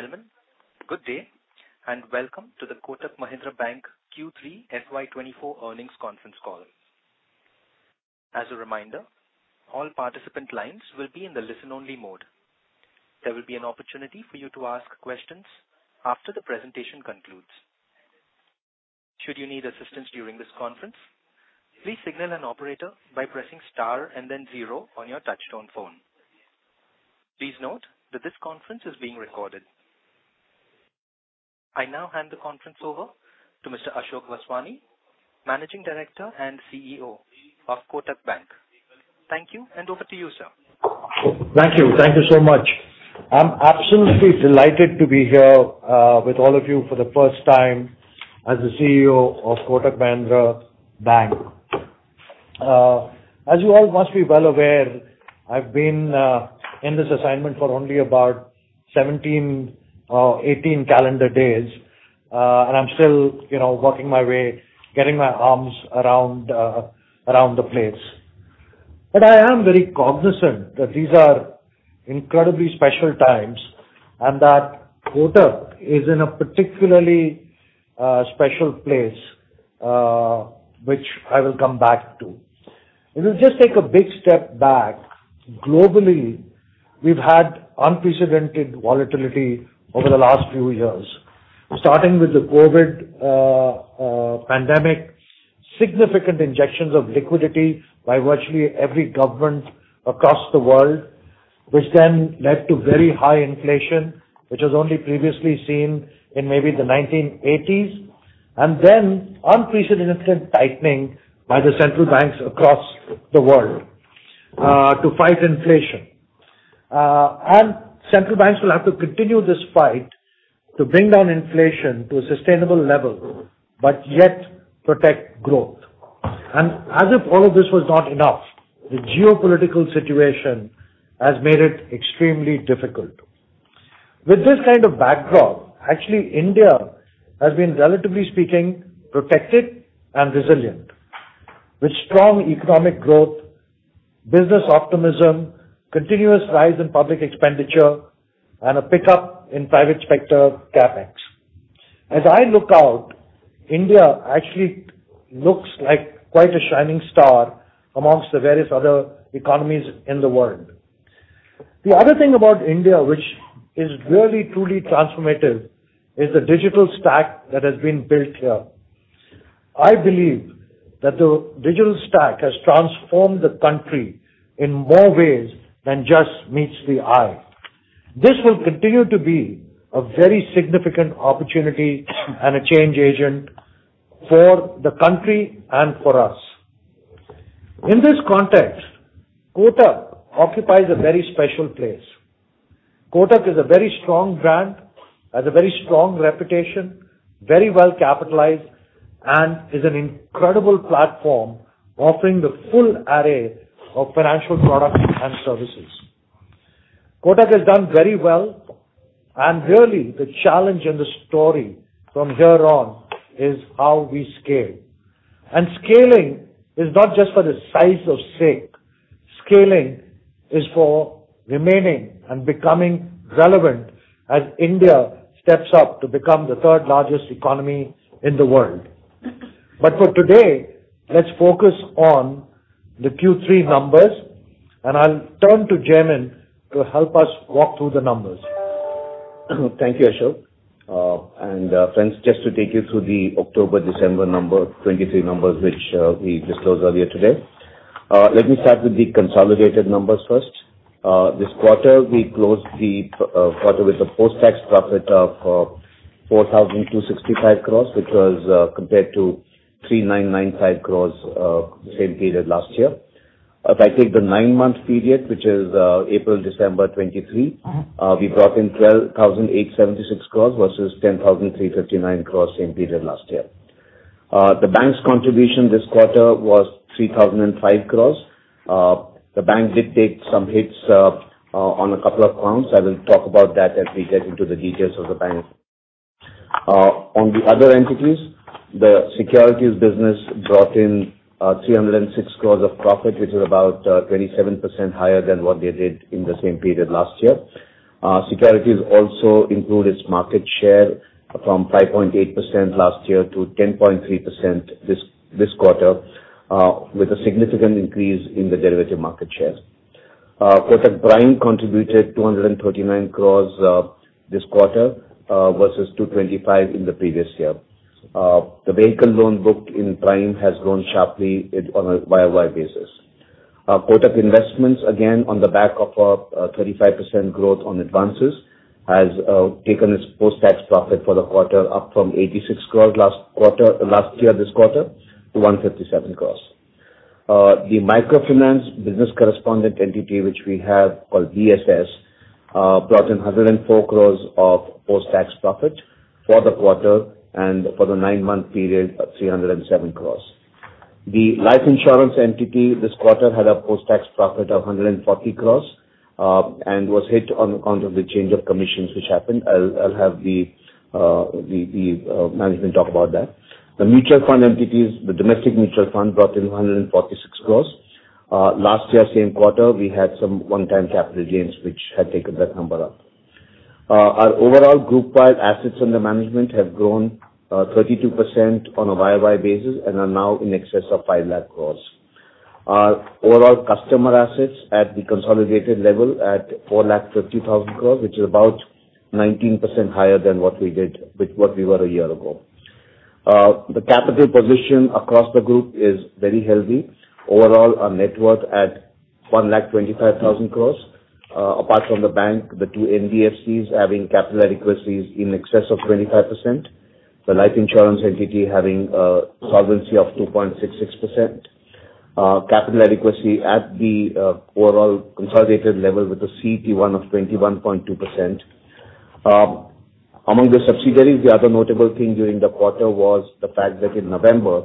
Ladies and gentlemen, good day, and welcome to the Kotak Mahindra Bank Q3 FY 2024 earnings conference call. As a reminder, all participant lines will be in the listen-only mode. There will be an opportunity for you to ask questions after the presentation concludes. Should you need assistance during this conference, please signal an operator by pressing Star and then zero on your touchtone phone. Please note that this conference is being recorded. I now hand the conference over to Mr. Ashok Vaswani, Managing Director and CEO of Kotak Bank. Thank you, and over to you, sir. Thank you. Thank you so much. I'm absolutely delighted to be here with all of you for the first time as the CEO of Kotak Mahindra Bank. As you all must be well aware, I've been in this assignment for only about 17 or 18 calendar days, and I'm still, you know, working my way, getting my arms around around the place. But I am very cognizant that these are incredibly special times, and that Kotak is in a particularly special place, which I will come back to. If we just take a big step back, globally, we've had unprecedented volatility over the last few years. Starting with the COVID pandemic, significant injections of liquidity by virtually every government across the world, which then led to very high inflation, which was only previously seen in maybe the 1980s, and then unprecedented tightening by the central banks across the world to fight inflation. Central banks will have to continue this fight to bring down inflation to a sustainable level, but yet protect growth. As if all of this was not enough, the geopolitical situation has made it extremely difficult. With this kind of backdrop, actually, India has been, relatively speaking, protected and resilient, with strong economic growth, business optimism, continuous rise in public expenditure, and a pickup in private sector CapEx. As I look out, India actually looks like quite a shining star amongst the various other economies in the world. The other thing about India, which is really truly transformative, is the digital stack that has been built here. I believe that the digital stack has transformed the country in more ways than just meets the eye. This will continue to be a very significant opportunity and a change agent for the country and for us. In this context, Kotak occupies a very special place. Kotak is a very strong brand, has a very strong reputation, very well capitalized, and is an incredible platform offering the full array of financial products and services. Kotak has done very well, and really, the challenge and the story from here on is how we scale. Scaling is not just for the sake of size. Scaling is for remaining and becoming relevant as India steps up to become the third-largest economy in the world. For today, let's focus on the Q3 numbers, and I'll turn to Jaimin to help us walk through the numbers. Thank you, Ashok. Friends, just to take you through the October-December 2023 numbers, which we disclosed earlier today. Let me start with the consolidated numbers first. This quarter, we closed the quarter with a post-tax profit of 4,265 crores, which was compared to 3,995 crores the same period last year. If I take the nine-month period, which is April-December 2023, we brought in 12,876 crores versus 10,359 crores, same period last year. The bank's contribution this quarter was 3,005 crores. The bank did take some hits on a couple of counts. I will talk about that as we get into the details of the bank. On the other entities, the securities business brought in 306 crore of profit, which is about 27% higher than what they did in the same period last year. Securities also improved its market share from 5.8% last year to 10.3% this quarter, with a significant increase in the derivative market share. Kotak Prime contributed 239 crore this quarter, versus 225 in the previous year. The vehicle loan booked in Prime has grown sharply it, on a YOY basis. Our Kotak Investments, again, on the back of a 35% growth on advances, has taken its post-tax profit for the quarter, up from 86 crore last year this quarter, to 157 crore. The microfinance business correspondent entity, which we have called BSS, brought in 104 crore of post-tax profit for the quarter and for the nine-month period, 307 crores. The life insurance entity this quarter had a post-tax profit of 140 crore, and was hit on account of the change of commissions, which happened. I'll have the management talk about that. The mutual fund entities, the domestic mutual fund, brought in 146 crore... last year, same quarter, we had some one-time capital gains, which had taken that number up. Our overall group-wide assets under management have grown 32% on a YOY basis and are now in excess of 500,000 crore. Our overall customer assets at the consolidated level at 450,000 crore, which is about 19% higher than what we did with what we were a year ago. The capital position across the group is very healthy. Overall, our net worth at 125,000 crore. Apart from the bank, the two NBFCs having capital adequacy is in excess of 25%. The life insurance entity having solvency of 2.66%. Capital adequacy at the overall consolidated level with a CET1 of 21.2%. Among the subsidiaries, the other notable thing during the quarter was the fact that in November,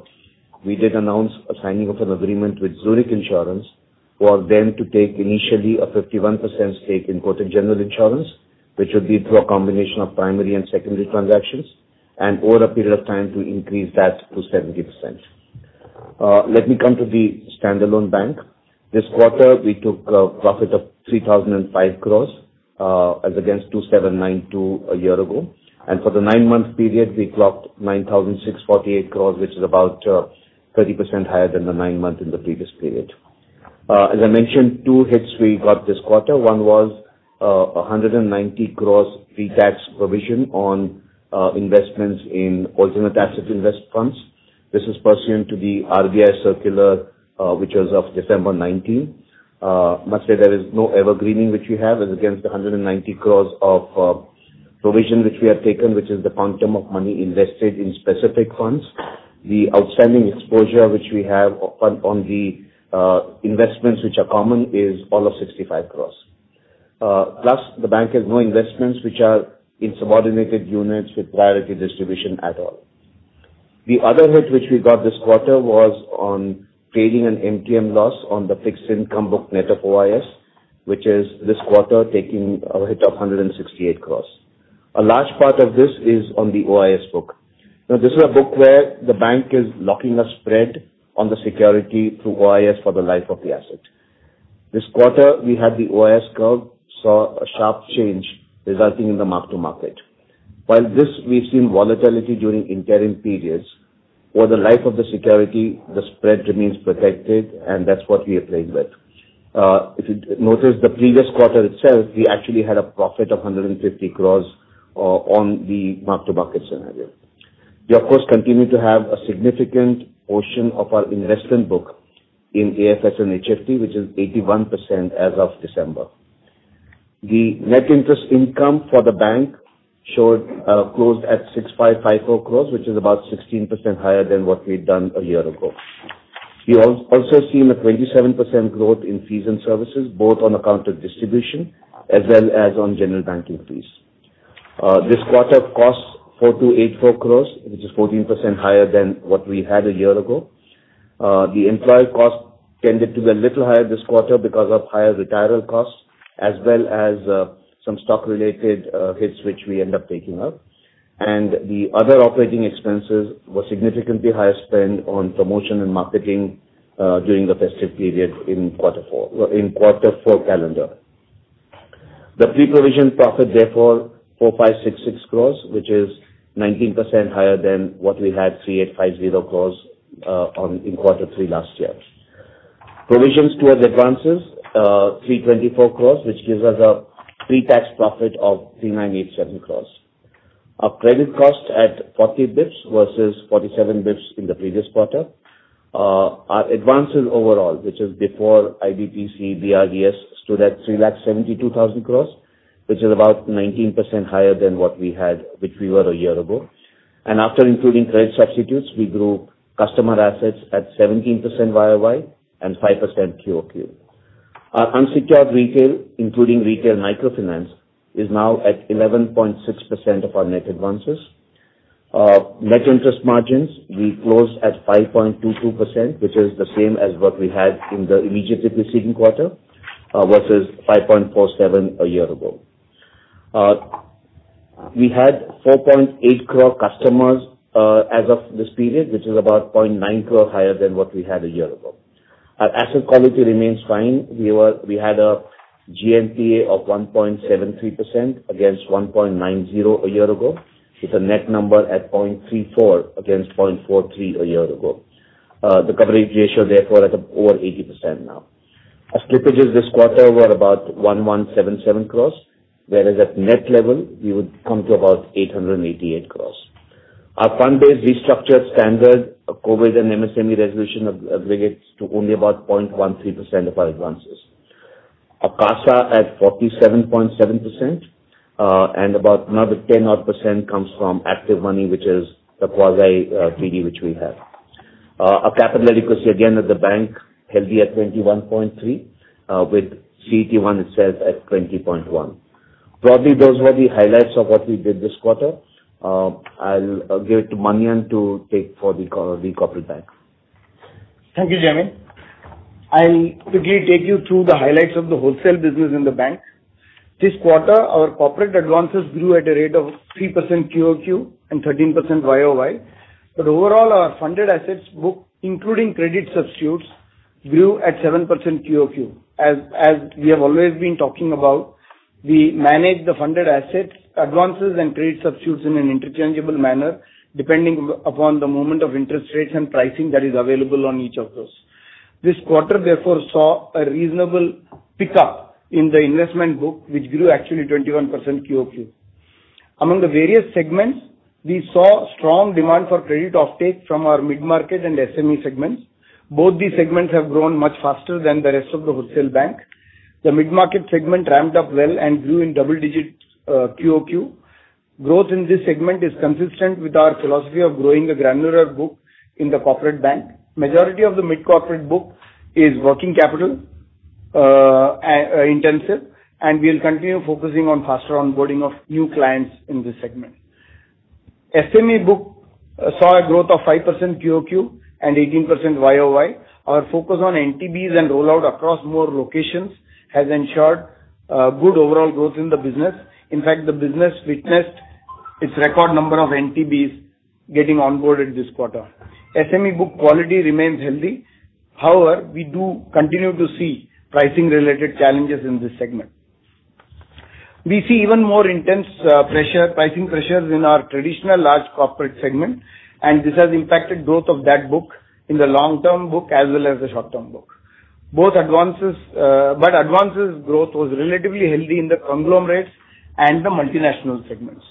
we did announce a signing of an agreement with Zurich Insurance for them to take initially a 51% stake in Kotak General Insurance, which would be through a combination of primary and secondary transactions, and over a period of time, to increase that to 70%. Let me come to the standalone bank. This quarter, we took a profit of 3,005 crore as against 2,792 a year ago. For the nine-month period, we clocked 9,648 crore, which is about 30% higher than the nine month in the previous period. As I mentioned, two hits we got this quarter. One was a 190 crore pre-tax provision on investments in alternative asset investment funds. This is pursuant to the RBI circular, which was of December 19. Must say there is no evergreening, which we have is against the 190 crore of provision, which we have taken, which is the quantum of money invested in specific funds. The outstanding exposure, which we have on, on the, investments which are common, is all of 65 crore. Plus, the bank has no investments which are in subordinated units with priority distribution at all. The other hit, which we got this quarter, was on trading an MTM loss on the fixed income book net of OIS, which is this quarter taking a hit of 168 crore. A large part of this is on the OIS book. Now, this is a book where the bank is locking a spread on the security through OIS for the life of the asset. This quarter, we had the OIS curve, saw a sharp change resulting in the mark-to-market. While this we've seen volatility during interim periods, over the life of the security, the spread remains protected, and that's what we are playing with. If you notice the previous quarter itself, we actually had a profit of 150 crore on the mark-to-market scenario. We, of course, continue to have a significant portion of our investment book in AFS and HFT, which is 81% as of December. The net interest income for the bank showed closed at 6,554 crore, which is about 16% higher than what we'd done a year ago. We also seen a 27% growth in fees and services, both on account of distribution as well as on general banking fees. This quarter costs 4,284 crore, which is 14% higher than what we had a year ago. The employee costs tended to be a little higher this quarter because of higher retirement costs, as well as, some stock-related, hits, which we end up taking up. And the other operating expenses were significantly higher, spent on promotion and marketing, during the festive period in quarter four, well, in quarter four calendar. The pre-provision profit, therefore, 4,566 crore, which is 19% higher than what we had, 3,850 crore, on in quarter three last year. Provisions to advances, 324 crore, which gives us a pre-tax profit of 3,987 crore. Our credit costs at 40 bps versus 47 bps in the previous quarter. Our advances overall, which is before IBPC, BRDS, stood at 372,000 crore, which is about 19% higher than what we had, which we were a year ago. After including credit substitutes, we grew customer assets at 17% YOY and 5% QOQ. Our unsecured retail, including retail microfinance, is now at 11.6% of our net advances. Net interest margins, we closed at 5.22%, which is the same as what we had in the immediately preceding quarter, versus 5.47 a year ago. We had 4.8 crore customers, as of this period, which is about 0.9 crore higher than what we had a year ago. Our asset quality remains fine. We had a GNPA of 1.73% against 1.90% a year ago, with a net number at 0.34% against 0.43% a year ago. The coverage ratio therefore is at over 80% now. Our slippages this quarter were about 1,177 crore, whereas at net level, we would come to about 888 crore. Our fund-based restructured standard, COVID and MSME resolution aggregates to only about 0.13% of our advances. Our CASA at 47.7%, and about another ten odd percent comes from ActivMoney, which is the quasi, TD which we have. Our capital adequacy, again, at the bank, healthy at 21.3, with CET1 itself at 20.1. Broadly, those were the highlights of what we did this quarter. I'll give it to Manian to take for the corporate bank. Thank you, Jaimin. I'll quickly take you through the highlights of the wholesale business in the bank. This quarter, our corporate advances grew at a rate of 3% QOQ and 13% YOY. But overall, our funded assets book, including credit substitutes, grew at 7% QOQ. As we have always been talking about, we manage the funded assets, advances and credit substitutes in an interchangeable manner, depending upon the movement of interest rates and pricing that is available on each of those. This quarter therefore saw a reasonable pick up in the investment book, which grew actually 21% QOQ. Among the various segments, we saw strong demand for credit offtake from our mid-market and SME segments. Both these segments have grown much faster than the rest of the wholesale bank. The mid-market segment ramped up well and grew in double digits QOQ. Growth in this segment is consistent with our philosophy of growing the granular book in the corporate bank. Majority of the mid-corporate book is working capital, intensive, and we'll continue focusing on faster onboarding of new clients in this segment. SME book saw a growth of 5% QOQ and 18% YOY. Our focus on NTBs and rollout across more locations has ensured good overall growth in the business. In fact, the business witnessed its record number of NTBs getting onboarded this quarter. SME book quality remains healthy, however, we do continue to see pricing-related challenges in this segment. We see even more intense pressure, pricing pressures in our traditional large corporate segment, and this has impacted growth of that book in the long-term book, as well as the short-term book. Both advances... But advances growth was relatively healthy in the conglomerates and the multinational segments.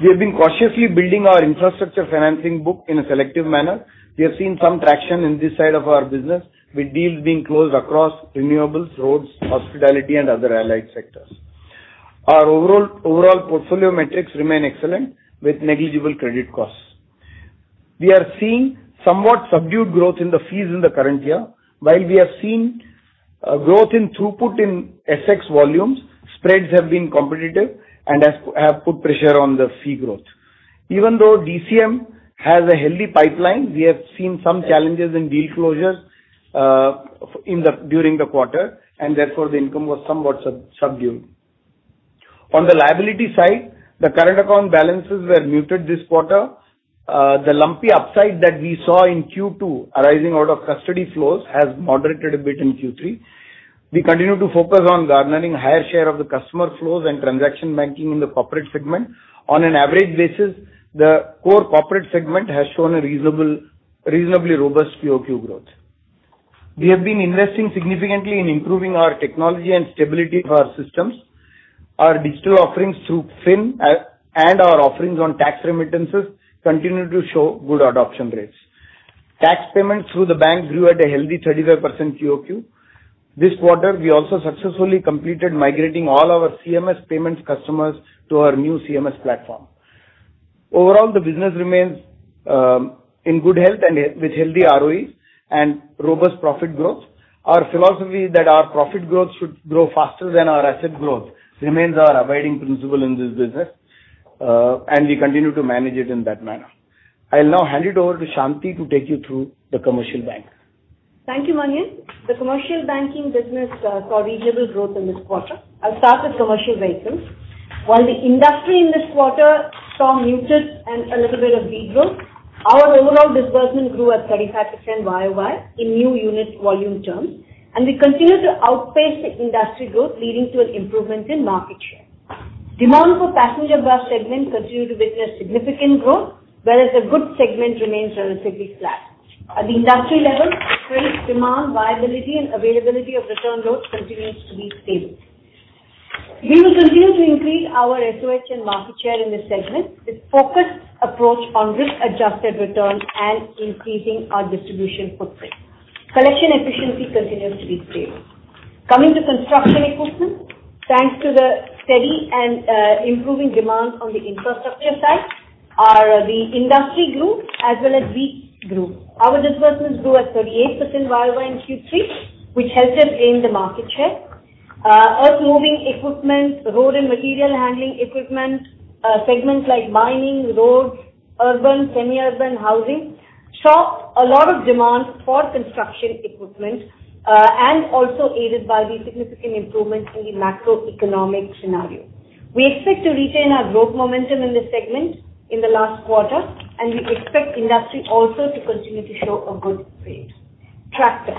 We have been cautiously building our infrastructure financing book in a selective manner. We have seen some traction in this side of our business, with deals being closed across renewables, roads, hospitality, and other allied sectors. Our overall portfolio metrics remain excellent, with negligible credit costs. We are seeing somewhat subdued growth in the fees in the current year, while we have seen a growth in throughput in FX volumes, spreads have been competitive and have put pressure on the fee growth. Even though DCM has a healthy pipeline, we have seen some challenges in deal closures during the quarter, and therefore, the income was somewhat subdued. On the liability side, the current account balances were muted this quarter. The lumpy upside that we saw in Q2, arising out of custody flows, has moderated a bit in Q3. We continue to focus on garnering higher share of the customer flows and transaction banking in the corporate segment. On an average basis, the core corporate segment has shown a reasonable, reasonably robust QOQ growth. We have been investing significantly in improving our technology and stability of our systems. Our digital offerings through fyn, and our offerings on tax remittances continue to show good adoption rates. Tax payments through the bank grew at a healthy 35% QOQ. This quarter, we also successfully completed migrating all our CMS payments customers to our new CMS platform. Overall, the business remains in good health and with healthy ROE and robust profit growth. Our philosophy that our profit growth should grow faster than our asset growth, remains our abiding principle in this business, and we continue to manage it in that manner. I'll now hand it over to Shanti to take you through the commercial bank. Thank you, Manian. The commercial banking business saw reasonable growth in this quarter. I'll start with commercial vehicles. While the industry in this quarter saw muted and a little bit of de-growth, our overall disbursement grew at 35% YOY in new unit volume terms, and we continue to outpace the industry growth, leading to an improvement in market share. Demand for passenger car segment continued to witness significant growth, whereas the goods segment remains relatively flat. At the industry level, freight demand, viability and availability of return loads continues to be stable. We will continue to increase our SOW and market share in this segment, with focused approach on risk-adjusted returns and increasing our distribution footprint. Collection efficiency continues to be stable. Coming to construction equipment, thanks to the steady and improving demand on the infrastructure side, the industry grew as well as we grew. Our disbursements grew at 38% YOY in Q3, which helped us gain the market share. Earthmoving equipment, road and material handling equipment, segments like mining, roads, urban, semi-urban housing, saw a lot of demand for construction equipment, and also aided by the significant improvements in the macroeconomic scenario. We expect to retain our growth momentum in this segment in the last quarter, and we expect industry also to continue to show a good rate. Tractor.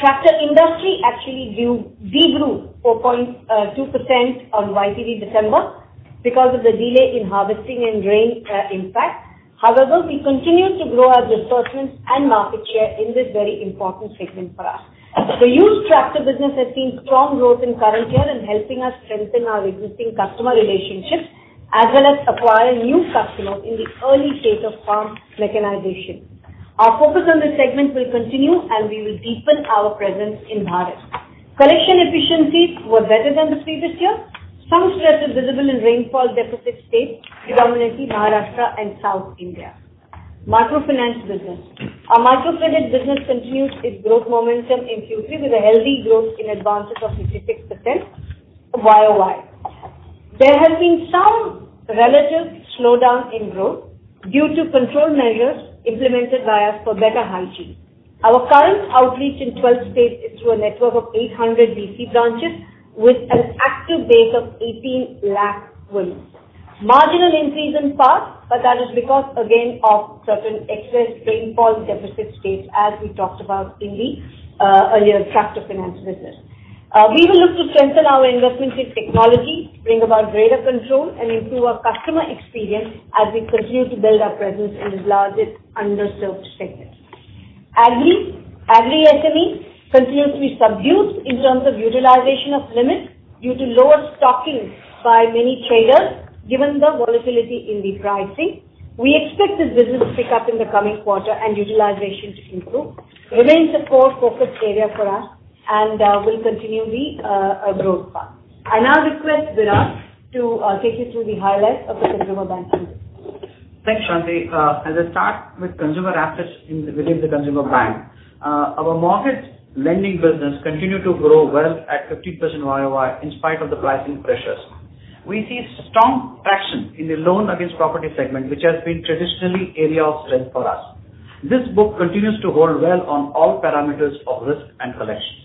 Tractor industry actually grew, de-grew 4.2% on YTD December because of the delay in harvesting and rain impact. However, we continue to grow our disbursements and market share in this very important segment for us. The used tractor business has seen strong growth in current year and helping us strengthen our existing customer relationships, as well as acquire new customers in the early stage of farm mechanization. Our focus on this segment will continue, and we will deepen our presence in Bharat. Collection efficiencies were better than the previous year. Some stress is visible in rainfall-deficit states, predominantly Maharashtra and South India. Microfinance business. Our microfinance business continues its growth momentum in Q3, with a healthy growth in advances of 56% YOY.... There has been some relative slowdown in growth due to control measures implemented by us for better hygiene. Our current outreach in 12 states is through a network of 800 BC branches, with an active base of 1,800,000 women. Marginal increase in parts, but that is because again, of certain excess rainfall deficit states, as we talked about in the earlier tractor finance business. We will look to strengthen our investments in technology, bring about greater control, and improve our customer experience as we continue to build our presence in this largest underserved segment. Agri SME continues to be subdued in terms of utilization of limits due to lower stocking by many traders, given the volatility in the pricing. We expect this business to pick up in the coming quarter and utilization to improve. Remains a core focus area for us and will continue the growth path. I now request Virat to take you through the highlights of the consumer banking. Thanks, Shanti. As I start with consumer assets in, within the consumer bank, our mortgage lending business continued to grow well at 50% YOY, in spite of the pricing pressures. We see strong traction in the loan against property segment, which has been traditionally area of strength for us. This book continues to hold well on all parameters of risk and collections.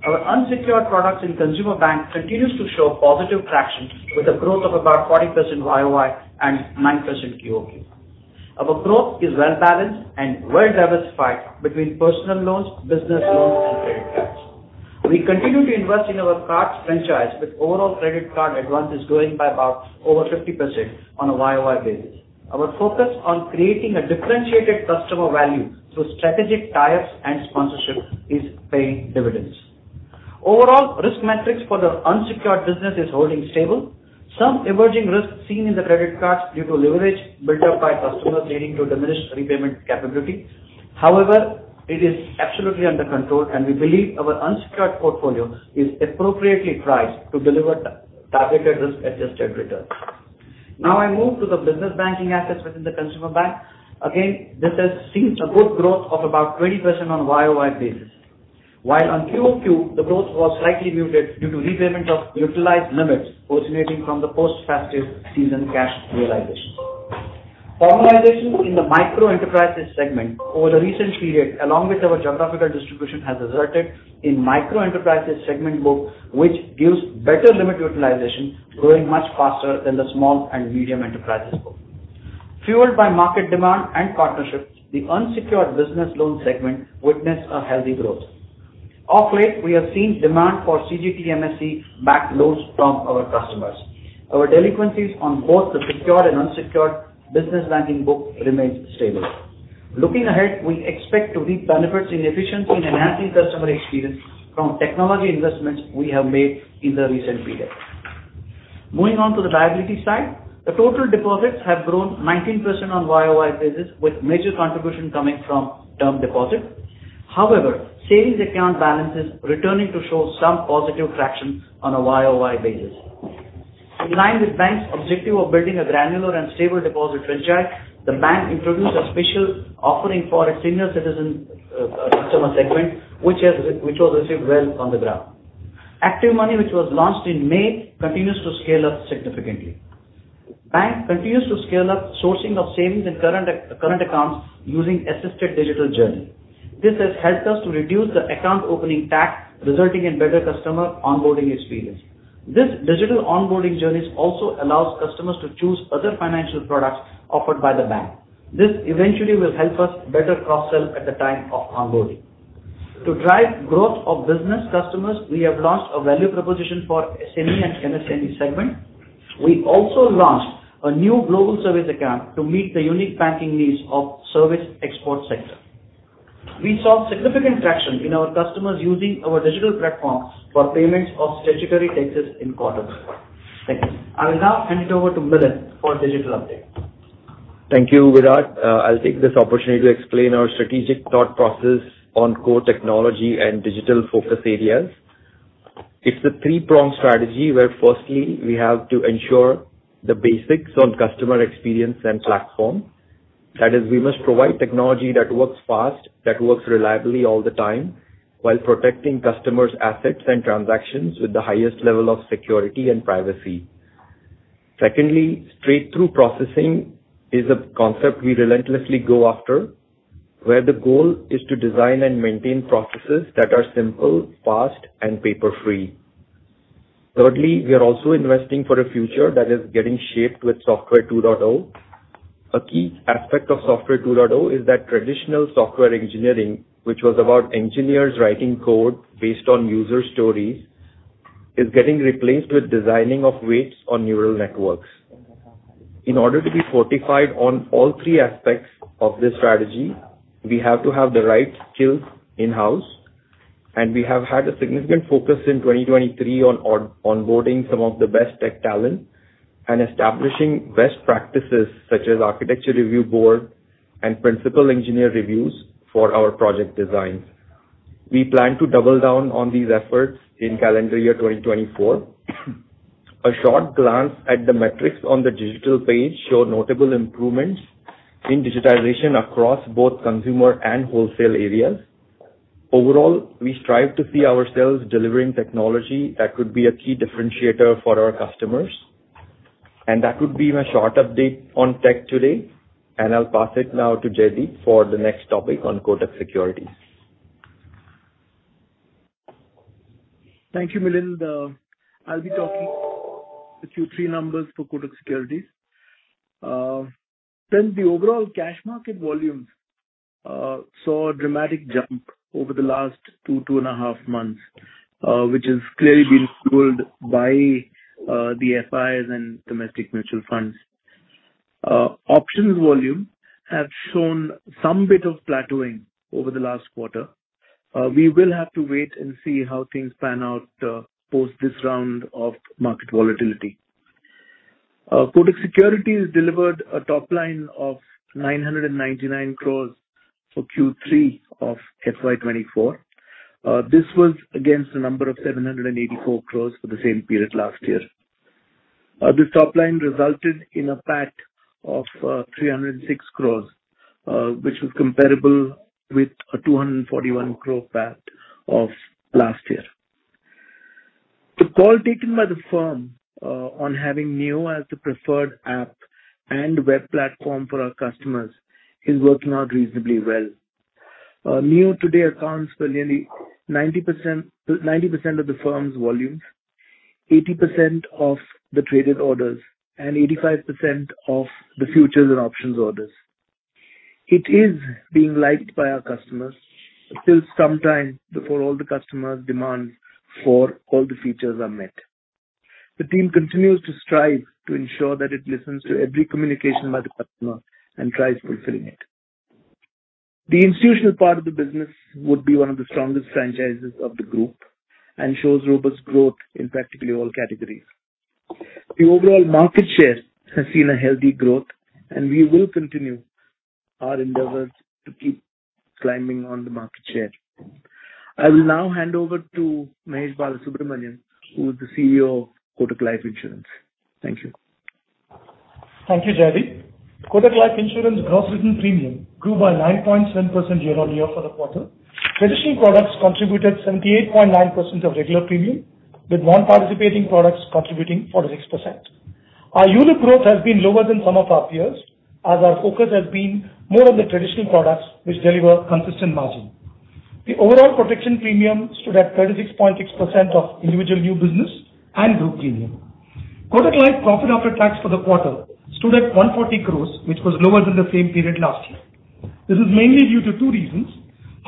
Our unsecured products in consumer bank continues to show positive traction, with a growth of about 40% YOY and 9% QOQ. Our growth is well-balanced and well-diversified between personal loans, business loans, and credit cards. We continue to invest in our cards franchise, with overall credit card advances growing by about over 50% on a YOY basis. Our focus on creating a differentiated customer value through strategic ties and sponsorship is paying dividends. Overall, risk metrics for the unsecured business is holding stable. Some emerging risks seen in the credit cards due to leverage built up by customers, leading to diminished repayment capability. However, it is absolutely under control, and we believe our unsecured portfolio is appropriately priced to deliver the targeted risk-adjusted return. Now I move to the business banking assets within the consumer bank. Again, this has seen a good growth of about 20% on a YOY basis. While on QOQ, the growth was slightly muted due to repayment of utilized limits originating from the post-festive season cash realizations. Formalization in the micro-enterprises segment over the recent period, along with our geographical distribution, has resulted in micro-enterprises segment book, which gives better limit utilization, growing much faster than the small and medium enterprises book. Fueled by market demand and partnerships, the unsecured business loan segment witnessed a healthy growth. Of late, we have seen demand for CGTMSE-backed loans from our customers. Our delinquencies on both the secured and unsecured business banking book remains stable. Looking ahead, we expect to reap benefits in efficiency and enhancing customer experience from technology investments we have made in the recent period. Moving on to the liability side, the total deposits have grown 19% on YOY basis, with major contribution coming from term deposits. However, savings account balance is returning to show some positive traction on a YOY basis. In line with bank's objective of building a granular and stable deposit franchise, the bank introduced a special offering for its senior citizen customer segment, which was received well on the ground. ActivMoney, which was launched in May, continues to scale up significantly. bank continues to scale up sourcing of savings and current accounts using assisted digital journey. This has helped us to reduce the account opening time, resulting in better customer onboarding experience. This digital onboarding journeys also allows customers to choose other financial products offered by the bank. This eventually will help us better cross-sell at the time of onboarding. To drive growth of business customers, we have launched a value proposition for SME and MSME segment. We also launched a new global service account to meet the unique banking needs of service export sector. We saw significant traction in our customers using our digital platforms for payments of statutory taxes in quarters. Thank you. I will now hand it over to Milind for digital update. Thank you, Virat. I'll take this opportunity to explain our strategic thought process on core technology and digital focus areas. It's a three-pronged strategy, where firstly, we have to ensure the basics on customer experience and platform. That is, we must provide technology that works fast, that works reliably all the time, while protecting customers' assets and transactions with the highest level of security and privacy. Secondly, straight-through processing is a concept we relentlessly go after, where the goal is to design and maintain processes that are simple, fast, and paper-free. Thirdly, we are also investing for a future that is getting shaped with Software 2.0. A key aspect of Software 2.0 is that traditional software engineering, which was about engineers writing code based on user stories, is getting replaced with designing of weights on neural networks. In order to be fortified on all three aspects of this strategy, we have to have the right skills in-house, and we have had a significant focus in 2023 on onboarding some of the best tech talent and establishing best practices, such as architecture review board and principal engineer reviews for our project designs. We plan to double down on these efforts in calendar year 2024. A short glance at the metrics on the digital page show notable improvements in digitization across both consumer and wholesale areas. Overall, we strive to see ourselves delivering technology that could be a key differentiator for our customers. That could be my short update on tech today, and I'll pass it now to Jaideep for the next topic on Kotak Securities. Thank you, Milind. I'll be talking the Q3 numbers for Kotak Securities. Then the overall cash market volumes saw a dramatic jump over the last two, two and a half months, which has clearly been fueled by the FIs and domestic mutual funds. Options volume have shown some bit of plateauing over the last quarter. We will have to wait and see how things pan out post this round of market volatility. Kotak Securities delivered a top line of 999 crore for Q3 of FY 2024. This was against a number of 784 crore for the same period last year. This top line resulted in a PAT of 306 crore, which was comparable with a 241 crore PAT of last year. The call taken by the firm on having Neo as the preferred app and web platform for our customers is working out reasonably well. Neo today accounts for nearly 90%, 90% of the firm's volumes, 80% of the traded orders, and 85% of the futures and options orders. It is being liked by our customers. It takes some time before all the customers' demands for all the features are met. The team continues to strive to ensure that it listens to every communication by the customer and tries fulfilling it. The institutional part of the business would be one of the strongest franchises of the group and shows robust growth in practically all categories. The overall market share has seen a healthy growth, and we will continue our endeavors to keep climbing on the market share. I will now hand over to Mahesh Balasubramanian, who is the CEO of Kotak Life Insurance. Thank you. Thank you, Jaideep. Kotak Life Insurance gross written premium grew by 9.7% year-on-year for the quarter. Traditional products contributed 78.9% of regular premium, with non-participating products contributing 46%. Our unit growth has been lower than some of our peers, as our focus has been more on the traditional products which deliver consistent margin. The overall protection premium stood at 36.6% of individual new business and group premium. Kotak Life profit after tax for the quarter stood at 140 crore, which was lower than the same period last year. This is mainly due to two reasons: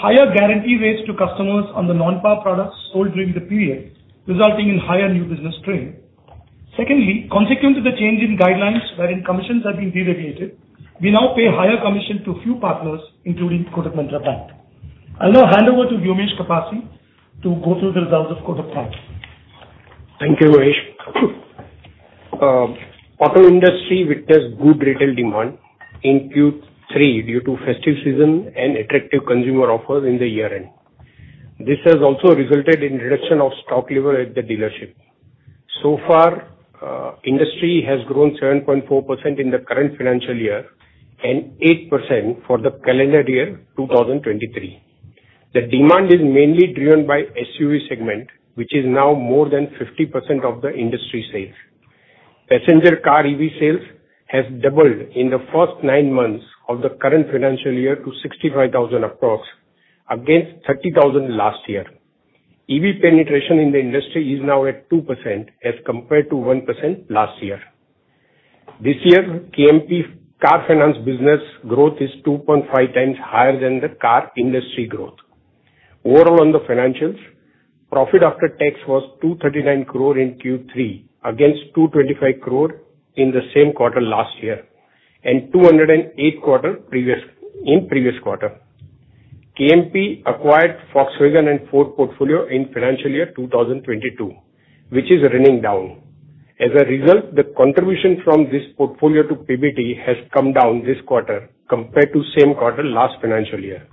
higher guarantee rates to customers on the non-par products sold during the period, resulting in higher new business premium. Secondly, consequent to the change in guidelines wherein commissions have been deregulated, we now pay higher commission to a few partners, including Kotak Mahindra Bank. I'll now hand over to Vyomesh Kapasi to go through the results of Kotak Prime. Thank you, Mahesh. Auto industry witnessed good retail demand in Q3 due to festive season and attractive consumer offers in the year-end. This has also resulted in reduction of stock level at the dealership. So far, industry has grown 7.4% in the current financial year and 8% for the calendar year 2023. The demand is mainly driven by SUV segment, which is now more than 50% of the industry sales. Passenger car EV sales has doubled in the first nine months of the current financial year to 65,000 approx, against 30,000 last year. EV penetration in the industry is now at 2% as compared to 1% last year. This year, KMP car finance business growth is 2.5 times higher than the car industry growth. Overall, on the financials, profit after tax was 239 crore in Q3, against 225 crore in the same quarter last year, and 208 in previous quarter. KMP acquired Volkswagen and Ford portfolio in financial year 2022, which is running down. As a result, the contribution from this portfolio to PBT has come down this quarter compared to same quarter last financial year.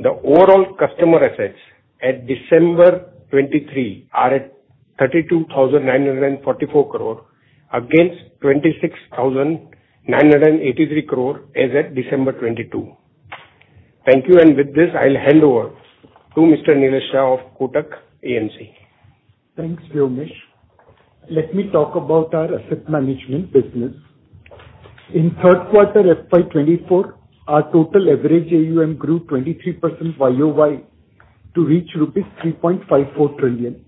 The overall customer assets at December 2023 are at 32,944 crore, against 26,983 crore as at December 2022. Thank you, and with this, I'll hand over to Mr. Nilesh Shah of Kotak AMC. Thanks, Vyomesh. Let me talk about our asset management business. In third quarter FY 2024, our total average AUM grew 23% YOY to reach rupees 3.54 trillion.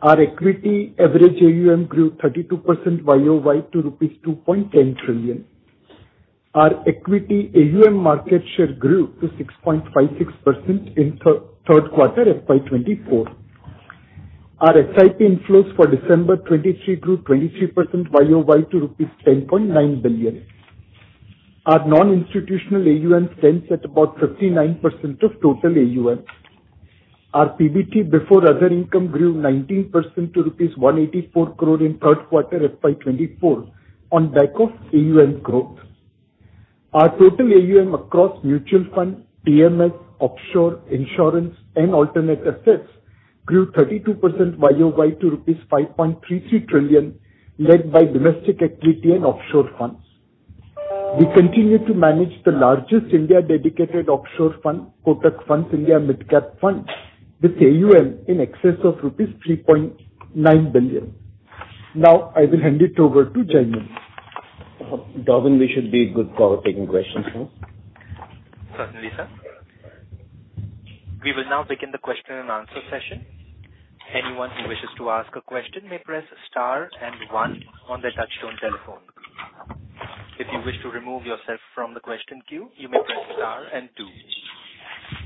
Our equity average AUM grew 32% YOY to rupees 2.10 trillion. Our equity AUM market share grew to 6.56% in third quarter FY 2024. Our SIP inflows for December 2023 grew 23% YOY to rupees 10.9 billion. Our non-institutional AUM stands at about 59% of total AUM. Our PBT before other income grew 19% to rupees 184 crore in third quarter FY 2024 on back of AUM growth. Our total AUM across mutual fund, PMS, offshore insurance and alternate assets grew 32% YOY to rupees 5.33 trillion, led by domestic equity and offshore funds.... We continue to manage the largest India-dedicated offshore fund, Kotak Funds – India Midcap Fund, with AUM in excess of rupees 3.9 billion. Now, I will hand it over to Jaimin. Darwin, we should be good for taking questions now. Certainly, sir. We will now begin the question and answer session. Anyone who wishes to ask a question may press star and one on their touchtone telephone. If you wish to remove yourself from the question queue, you may press star and two.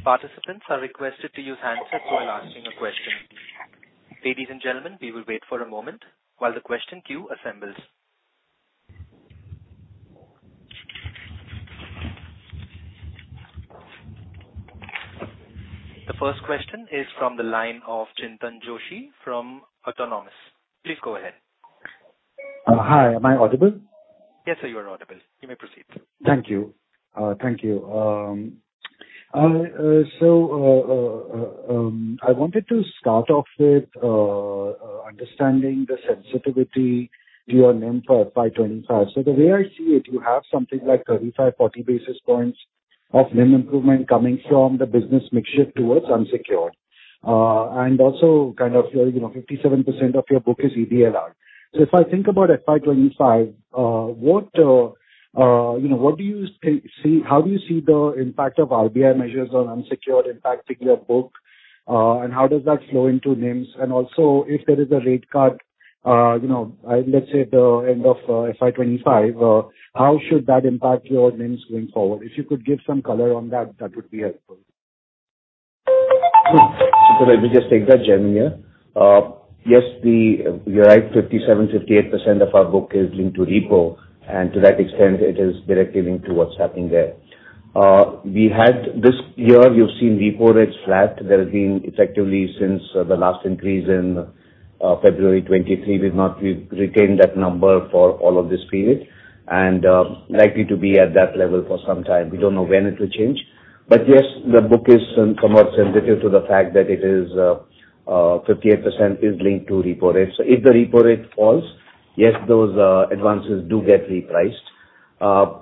Participants are requested to use handsets while asking a question. Ladies and gentlemen, we will wait for a moment while the question queue assembles. The first question is from the line of Chintan Joshi from Autonomous. Please go ahead. Hi, am I audible? Yes, sir, you are audible. You may proceed. Thank you. Thank you. So, I wanted to start off with understanding the sensitivity to your NIM for FY 25. So the way I see it, you have something like 35, 40 basis points of NIM improvement coming from the business mix shift towards unsecured. And also kind of your, you know, 57% of your book is EBLR. So if I think about FY 25, what do you think, see... How do you see the impact of RBI measures on unsecured impacting your book? And how does that flow into NIMs? And also, if there is a rate cut, you know, let's say at the end of FY 25, how should that impact your NIMs going forward? If you could give some color on that, that would be helpful. So let me just take that, Jaimin. Yes, the, you're right, 57%-58% of our book is linked to repo, and to that extent, it is directly linked to what's happening there. We had this year, you've seen repo rates flat. There has been effectively since the last increase in February 2023, we've not retained that number for all of this period, and likely to be at that level for some time. We don't know when it will change. But yes, the book is somewhat sensitive to the fact that it is fifty-eight percent is linked to repo rates. So if the repo rate falls, yes, those advances do get repriced.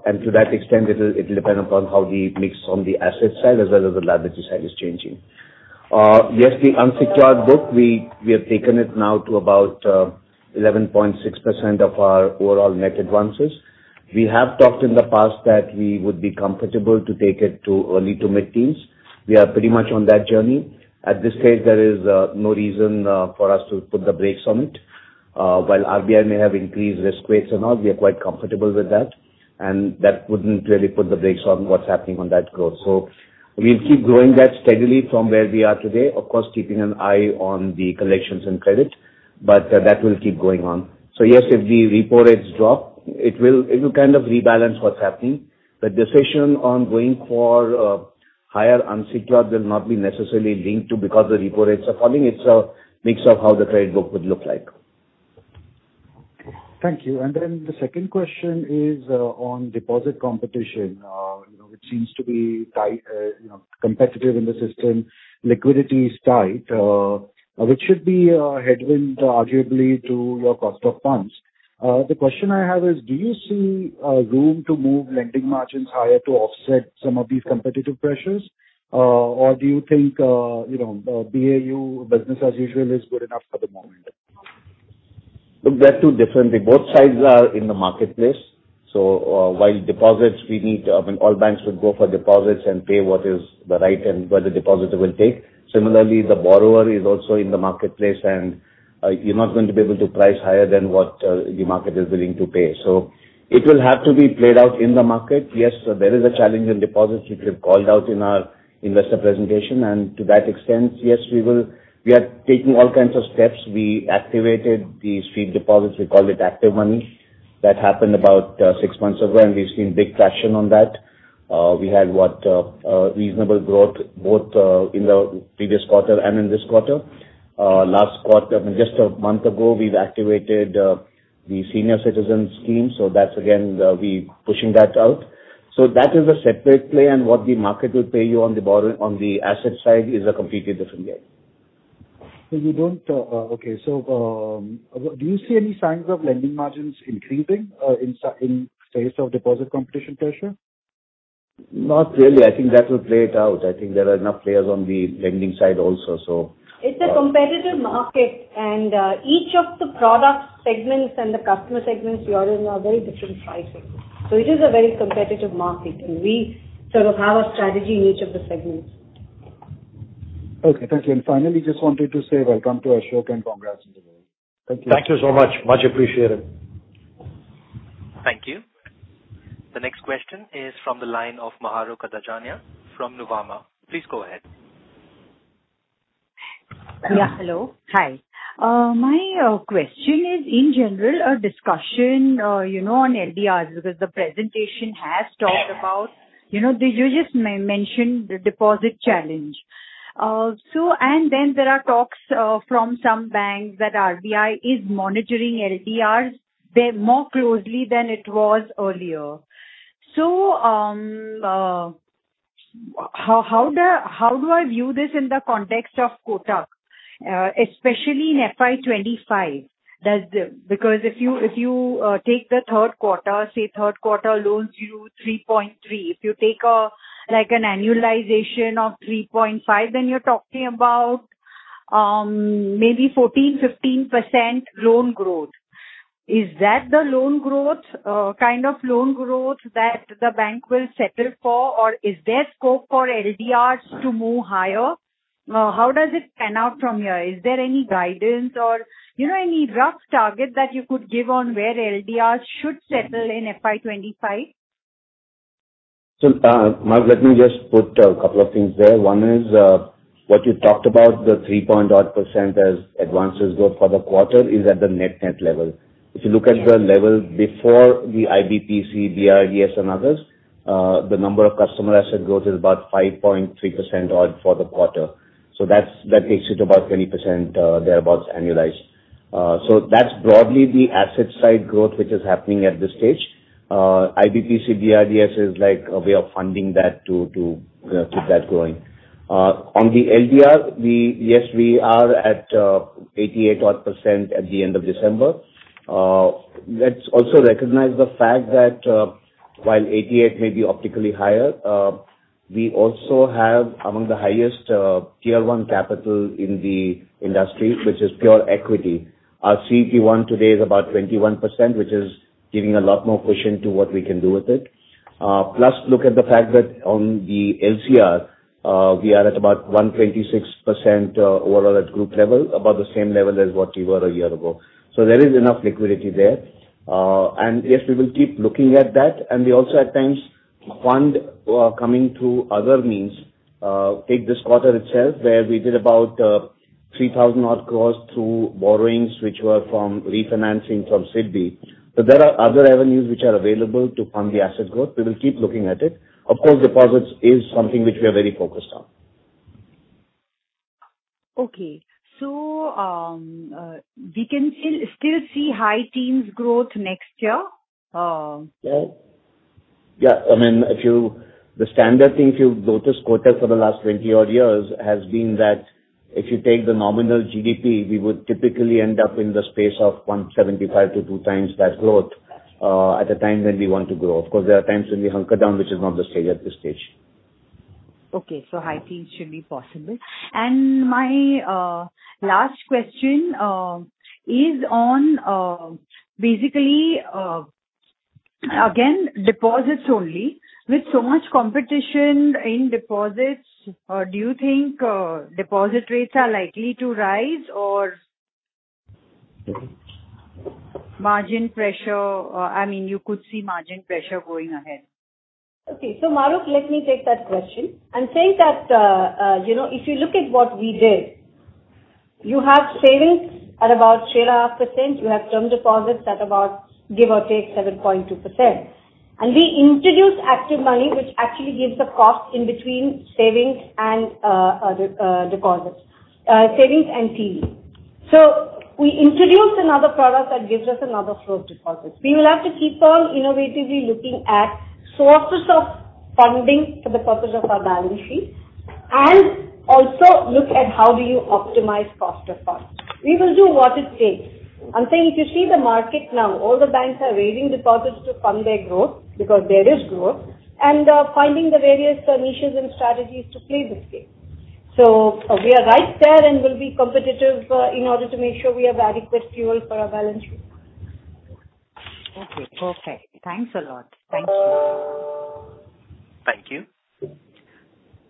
And to that extent, it will, it'll depend upon how the mix on the asset side as well as the liability side is changing. Yes, the unsecured book, we, we have taken it now to about 11.6% of our overall net advances. We have talked in the past that we would be comfortable to take it to early to mid-teens. We are pretty much on that journey. At this stage, there is no reason for us to put the brakes on it. While RBI may have increased risk weights or not, we are quite comfortable with that, and that wouldn't really put the brakes on what's happening on that growth. So we'll keep growing that steadily from where we are today. Of course, keeping an eye on the collections and credit, but that will keep going on. So yes, if the repo rates drop, it will, it will kind of rebalance what's happening. The decision on going for higher unsecured will not be necessarily linked to because the repo rates are falling. It's a mix of how the credit book would look like. Thank you. And then the second question is, on deposit competition. You know, it seems to be tight, you know, competitive in the system. Liquidity is tight, which should be a headwind, arguably, to your cost of funds. The question I have is: do you see, room to move lending margins higher to offset some of these competitive pressures? Or do you think, you know, BAU, business as usual, is good enough for the moment? Look, they're two different things. Both sides are in the marketplace. So, while deposits we need, when all banks would go for deposits and pay what is the right and what the depositor will take. Similarly, the borrower is also in the marketplace, and you're not going to be able to price higher than what the market is willing to pay. So it will have to be played out in the market. Yes, there is a challenge in deposits, which we've called out in our investor presentation, and to that extent, yes, we will... We are taking all kinds of steps. We activated the sweep deposits. We call it ActivMoney. That happened about six months ago, and we've seen big traction on that. We had a reasonable growth, both in the previous quarter and in this quarter. Last quarter, I mean, just a month ago, we've activated the senior citizen scheme, so that's again we pushing that out. So that is a separate play, and what the market will pay you on the borrow- on the asset side is a completely different game. Okay. So, do you see any signs of lending margins increasing in face of deposit competition pressure? Not really. I think that will play it out. I think there are enough players on the lending side also, so- It's a competitive market, and each of the product segments and the customer segments we are in are very different pricing. So it is a very competitive market, and we sort of have a strategy in each of the segments. Okay, thank you. Finally, just wanted to say welcome to Ashok and congrats on the role. Thank you. Thank you so much. Much appreciated. Thank you. The next question is from the line of Mahrukh Adajania from Nuvama. Please go ahead. Yeah, hello. Hi. My question is, in general, a discussion, you know, on LDRs, because the presentation has talked about, you know, did you just mention the deposit challenge? So and then there are talks from some banks that RBI is monitoring LDRs more closely than it was earlier. How do I view this in the context of Kotak, especially in FY 25? Because if you take the third quarter, say third quarter loans grew 3.3. If you take, like, an annualization of 3.5, then you're talking about maybe 14%-15% loan growth. Is that the loan growth kind of loan growth that the bank will settle for? Or is there scope for LDRs to move higher? How does it pan out from here? Is there any guidance or, you know, any rough target that you could give on where LDRs should settle in FY 2025? So, Mahrukh, let me just put a couple of things there. One is what you talked about, the 3% odd as advances growth for the quarter is at the net-net level. If you look at the level before the IBPC, BRDS, and others, the number of customer asset growth is about 5.3% odd for the quarter. So that's, that takes it about 20%, thereabouts, annualized. So that's broadly the asset side growth, which is happening at this stage. IBPC, BRDS is like a way of funding that to keep that going. On the LDR, we... Yes, we are at 88% odd at the end of December. Let's also recognize the fact that, while 88 may be optically higher, we also have among the highest, tier-one capital in the industry, which is pure equity. Our CET1 today is about 21%, which is giving a lot more cushion to what we can do with it. Plus, look at the fact that on the LCR, we are at about 126%, overall at group level, about the same level as what we were a year ago. So there is enough liquidity there. And yes, we will keep looking at that. And we also, at times, fund, coming through other means. Take this quarter itself, where we did about 3,000 odd crores through borrowings, which were from refinancing from SIDBI. So there are other avenues which are available to fund the asset growth. We will keep looking at it. Of course, deposits is something which we are very focused on. Okay. So, we can still see high teens growth next year? Yeah. Yeah. I mean, if you, the standard, if you notice Kotak for the last 20-odd years, has been that if you take the nominal GDP, we would typically end up in the space of 1.75-2 times that growth, at the time when we want to grow. Of course, there are times when we hunker down, which is not the stage at this stage. Okay. So high teens should be possible. My last question is on basically again deposits only. With so much competition in deposits, do you think deposit rates are likely to rise or- Mm-hmm. -margin pressure, I mean, you could see margin pressure going ahead? Okay. So, Mahrukh, let me take that question. I'm saying that, you know, if you look at what we did, you have savings at about 13.5%. You have term deposits at about, give or take, 7.2%. And we introduced ActivMoney, which actually gives a cost in between savings and deposits, savings and TD. So we introduced another product that gives us another flow of deposits. We will have to keep on innovatively looking at sources of funding for the purpose of our balance sheet, and also look at how do you optimize cost of funds. We will do what it takes. I'm saying, if you see the market now, all the banks are raising deposits to fund their growth, because there is growth, and finding the various niches and strategies to play this game. So we are right there, and we'll be competitive in order to make sure we have adequate fuel for our balance sheet. Okay. Perfect. Thanks a lot. Thank you. Thank you.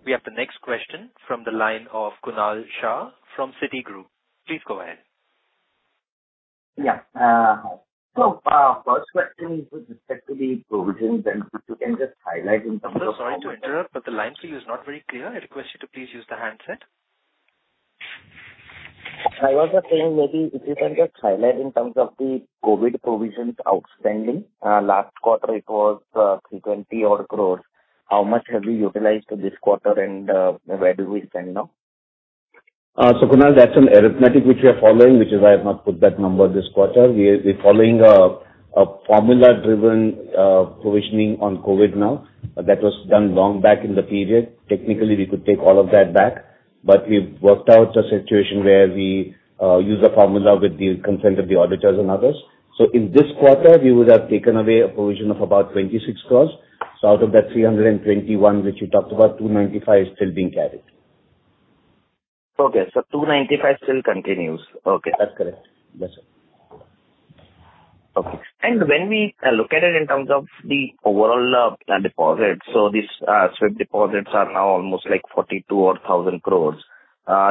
We have the next question from the line of Kunal Shah from Citigroup. Please go ahead. Yeah. So, first question is with respect to the provisions, and if you can just highlight in terms of- Sorry to interrupt, but the line for you is not very clear. I request you to please use the handset. I was just saying maybe if you can just highlight in terms of the COVID provisions outstanding. Last quarter, it was 320-odd crore. How much have you utilized this quarter, and where do we stand now? So, Kunal, that's an arithmetic which we are following, which is why I have not put that number this quarter. We are, we're following a, a formula-driven provisioning on COVID now. That was done long back in the period. Technically, we could take all of that back, but we've worked out a situation where we use a formula with the consent of the auditors and others. So in this quarter, we would have taken away a provision of about 26 crore. So out of that 321, which you talked about, 295 is still being carried. Okay, so 295 still continues. Okay. That's correct. Yes, sir. Okay. When we look at it in terms of the overall deposits, so these sweep deposits are now almost, like, 42,000 crore.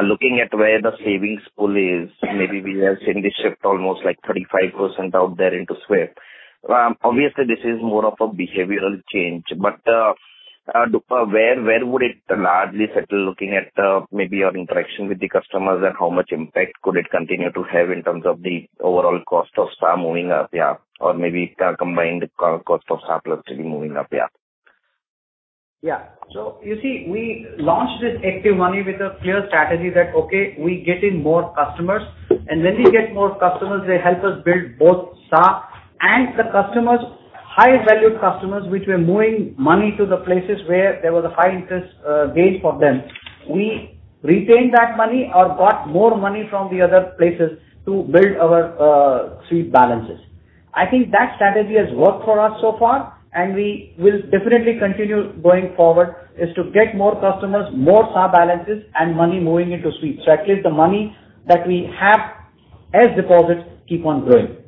Looking at where the savings pool is, maybe we have seen this shift almost, like, 35% out there into sweep. Obviously, this is more of a behavioral change, but where would it largely settle, looking at maybe your interaction with the customers, and how much impact could it continue to have in terms of the overall cost of funds moving up here, or maybe the combined cost of funds actually moving up here?... Yeah. So you see, we launched this ActivMoney with a clear strategy that, okay, we get in more customers, and when we get more customers, they help us build both CASA and the customers, high-value customers, which were moving money to the places where there was a high-interest gain for them. We retained that money or got more money from the other places to build our CASA balances. I think that strategy has worked for us so far, and we will definitely continue going forward, is to get more customers, more CASA balances, and money moving into sweeps. So at least the money that we have as deposits keep on growing.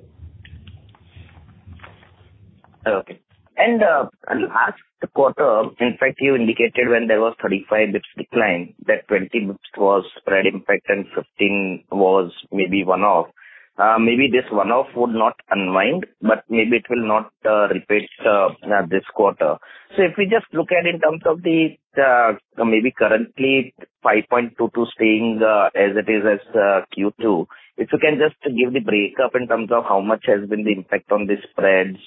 Okay. Last quarter, in fact, you indicated when there was 35 basis points decline, that 20 basis points was spread impact and 15 was maybe one-off. Maybe this one-off would not unwind, but maybe it will not repeat this quarter. So if we just look at in terms of the maybe currently 5.22 staying as it is as Q2, if you can just give the breakup in terms of how much has been the impact on the spreads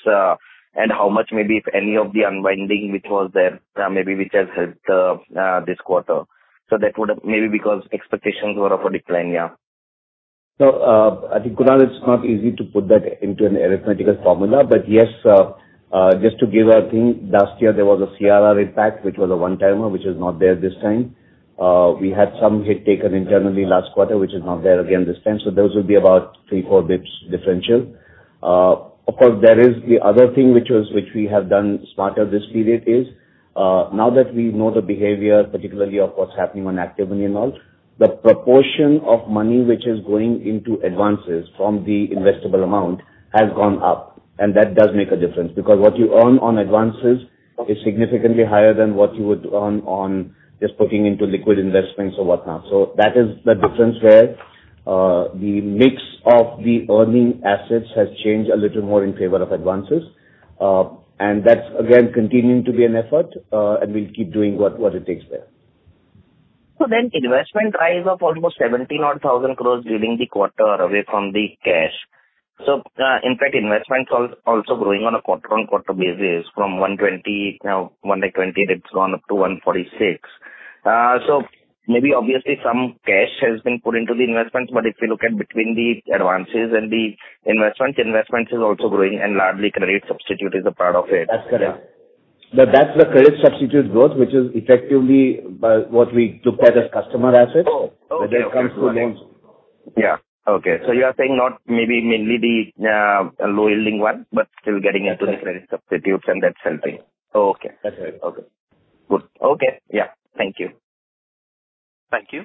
and how much maybe, if any of the unwinding, which was there, maybe which has helped this quarter. So that would have maybe because expectations were of a decline, yeah. So, I think, Kunal, it's not easy to put that into an arithmetical formula. But yes, just to give a thing, last year there was a CRR impact, which was a one-timer, which is not there this time. We had some hit taken internally last quarter, which is not there again, this time. So those would be about 3-4 basis points differential. Of course, there is the other thing, which was, which we have done start of this period is, now that we know the behavior, particularly of what's happening on ActivMoney and all, the proportion of money which is going into advances from the investable amount has gone up, and that does make a difference. Because what you earn on advances is significantly higher than what you would earn on just putting into liquid investments or whatnot. So that is the difference where the mix of the earning assets has changed a little more in favor of advances. And that's again continuing to be an effort, and we'll keep doing what it takes there. So then investment rise of almost 70,000 crore during the quarter away from the cash. So, in fact, investments also growing on a quarter-over-quarter basis from 120 now, it's gone up to 146. So maybe obviously some cash has been put into the investments, but if you look at between the advances and the investment, investments is also growing, and largely credit substitute is a part of it. That's correct. But that's the credit substitute growth, which is effectively by what we looked at as customer assets. Oh, okay. When it comes to names. Yeah. Okay. So you are saying not maybe mainly the, low-yielding one, but still getting into the credit substitutes and that's helping. Oh, okay. That's right. Okay. Good. Okay, yeah. Thank you. Thank you.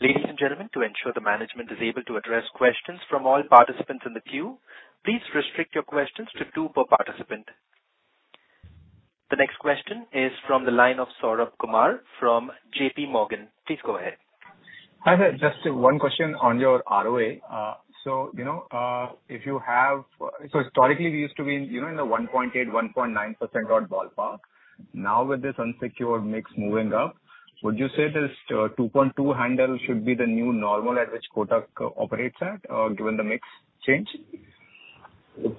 Ladies and gentlemen, to ensure the management is able to address questions from all participants in the queue, please restrict your questions to two per participant. The next question is from the line of Saurabh Kumar from J.P. Morgan. Please go ahead. Hi there. Just one question on your ROA. So, you know, if you have... So historically, we used to be, you know, in the 1.8, 1.9% odd ballpark. Now, with this unsecured mix moving up, would you say this 2.2 handle should be the new normal at which Kotak operates at, given the mix change?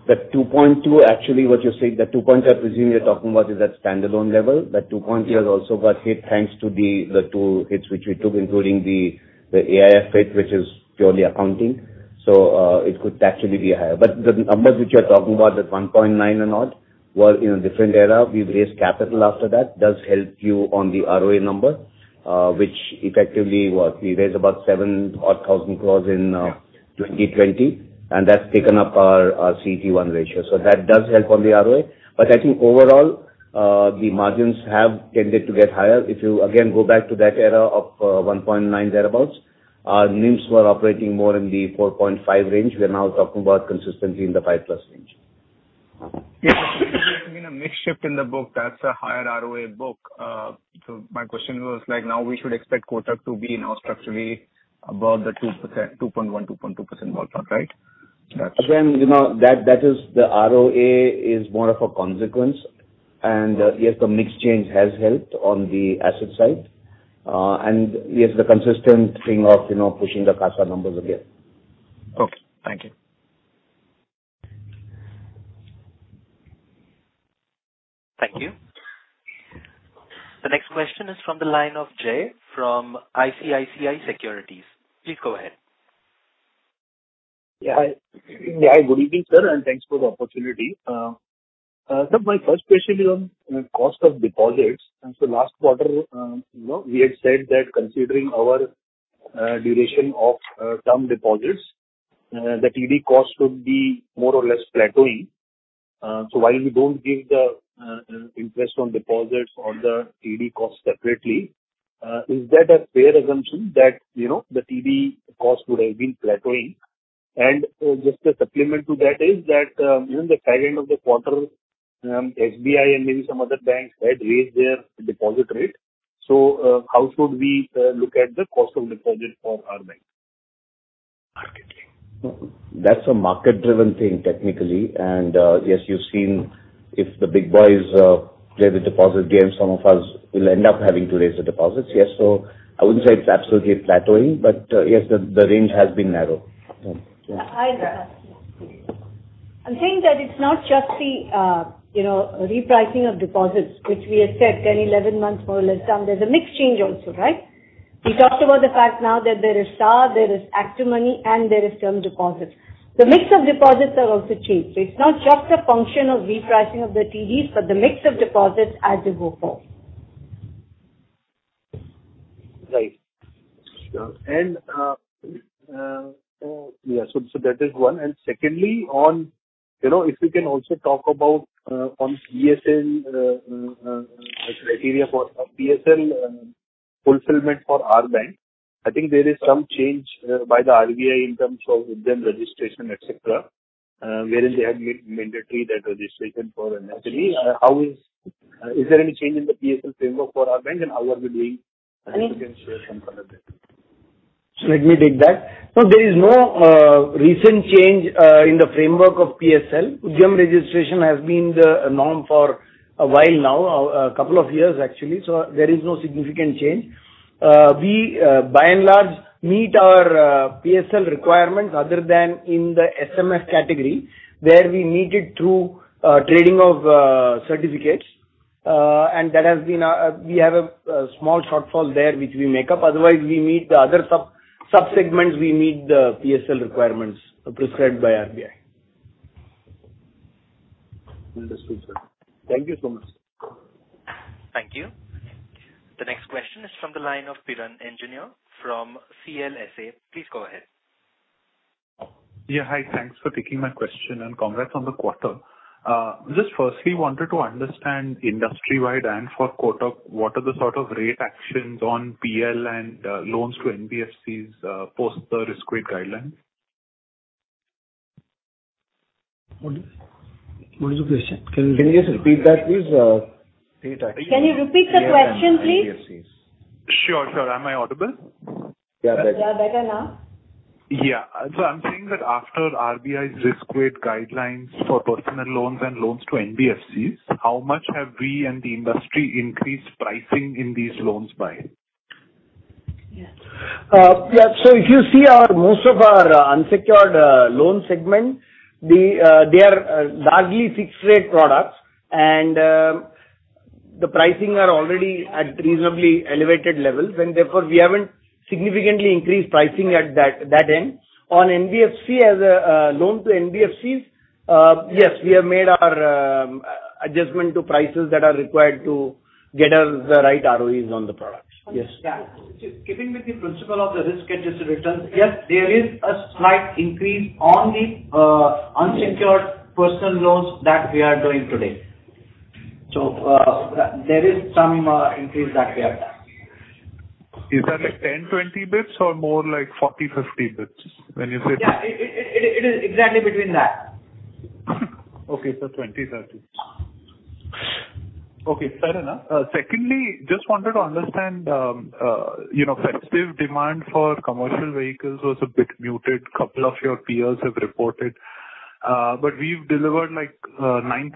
The 2.2, actually, what you're saying, the 2.0 I presume you're talking about is that standalone level. The 2.0- Yes. Also got hit, thanks to the, the two hits, which we took, including the, the AIF hit, which is purely accounting, so, it could actually be higher. But the numbers which you're talking about, that 1.9 and odd, were in a different era. We've raised capital after that. Does help you on the ROA number, which effectively what? We raised about 7,000 crore in 2020, and that's taken up our, our CET1 ratio. So that does help on the ROA. But I think overall, the margins have tended to get higher. If you again, go back to that era of, 1.9, thereabouts, our NIMs were operating more in the 4.5 range. We're now talking about consistency in the 5+ range. Yeah. There's been a mix shift in the book that's a higher ROA book. So my question was, like, now we should expect Kotak to be now structurally above the 2%, 2.1%, 2.2% ballpark, right? Again, you know, that is the ROA is more of a consequence. And, yes, the mix change has helped on the asset side. And yes, the consistent thing of, you know, pushing the CASA numbers again. Okay, thank you. Thank you. The next question is from the line of Jai, from ICICI Securities. Please go ahead. Yeah, yeah, good evening, sir, and thanks for the opportunity. So my first question is on cost of deposits. And so last quarter, you know, we had said that considering our duration of term deposits, the TD cost would be more or less plateauing. So while you don't give the interest on deposits or the TD cost separately, is that a fair assumption that, you know, the TD cost would have been plateauing? And just a supplement to that is that, in the second of the quarter, SBI and maybe some other banks had raised their deposit rate. So how should we look at the cost of deposit for our bank, markedly? That's a market-driven thing, technically. Yes, you've seen if the big boys play the deposit game, some of us will end up having to raise the deposits. Yes, so I wouldn't say it's absolutely plateauing, but, yes, the range has been narrow. Yeah.... I'm saying that it's not just the, you know, repricing of deposits, which we have said 10, 11 months, more or less down. There's a mix change also, right? We talked about the fact now that there is SA, there is ActivMoney, and there is term deposits. The mix of deposits have also changed. So it's not just a function of repricing of the TDs, but the mix of deposits as you go forward. Right. Sure. And, so, yeah, so, so that is one. And secondly, on, you know, if you can also talk about, on PSL, criteria for PSL, fulfillment for our bank. I think there is some change, by the RBI in terms of then registration, et cetera, wherein they have made mandatory that registration for an entity. How is... is there any change in the PSL framework for our bank, and how are we doing? I think you can share some further. So let me take that. No, there is no recent change in the framework of PSL. Udyam registration has been the norm for a while now, a couple of years, actually, so there is no significant change. We by and large meet our PSL requirements, other than in the MSME category, where we need it through trading of certificates. And that has been a... We have a small shortfall there, which we make up. Otherwise, we meet the other sub-segments, we meet the PSL requirements prescribed by RBI. Understood, sir. Thank you so much. Thank you. The next question is from the line of Piran Engineer from CLSA. Please go ahead. Yeah, hi. Thanks for taking my question, and congrats on the quarter. Just firstly, wanted to understand industry-wide and for Kotak, what are the sort of rate actions on PL and, loans to NBFCs, post the risk weight guidelines? What is, what is the question? Can you- Can you just repeat that, please? Can you repeat the question, please? Sure, sure. Am I audible? Yeah, better. Yeah, better now. Yeah. So I'm saying that after RBI's risk weight guidelines for personal loans and loans to NBFCs, how much have we and the industry increased pricing in these loans by? Yeah. Yeah, so if you see our most of our unsecured loan segment, the they are largely fixed-rate products, and the pricing are already at reasonably elevated levels, and therefore, we haven't significantly increased pricing at that end. On NBFC, as a loan to NBFCs, yes, we have made our adjustment to prices that are required to get us the right ROEs on the products. Yes. Yeah. Keeping with the principle of the risk-adjusted return, yes, there is a slight increase on the unsecured personal loans that we are doing today. So, there is some increase that we have done. Is that, like, 10-20 bps or more like 40-50 bps, when you say? Yeah, it is exactly between that. Okay, so 20, 30. Okay, fair enough. Secondly, just wanted to understand, you know, festive demand for commercial vehicles was a bit muted. Couple of your peers have reported, but we've delivered, like, 9%